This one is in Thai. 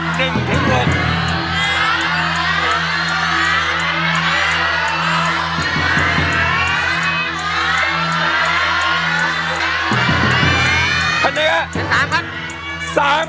แผ่นไหนครับแผ่น๓ครับ